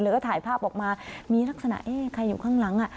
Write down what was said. แล้วก็ถ่ายภาพออกมามีลักษณะเอ๊ะใครอยู่ข้างหลัง